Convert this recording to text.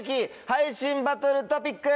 配信バトルトピック」！